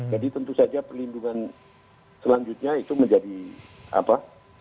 jadi tentu saja perlindungan selanjutnya itu menjadi apa